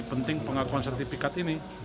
penting pengaturan sertifikat ini